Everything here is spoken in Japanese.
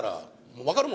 もう。